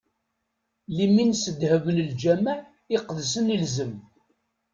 Limin s ddheb n lǧameɛ iqedsen ilzem.